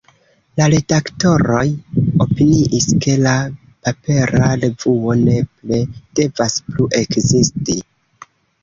La redaktoroj opiniis, ke la papera revuo nepre devas plu ekzisti.